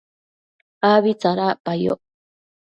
abi tsadacpayoc